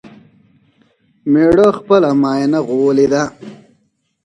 مېړه خپله ماينه غوولې ده